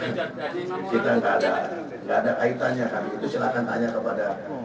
kita hanya berurusan dengan atasnya masyarakat